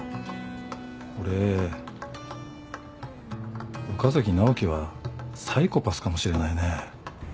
これ岡崎直樹はサイコパスかもしれないね。